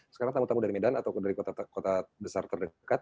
sekarang tamu tamu dari medan atau dari kota kota besar terdekat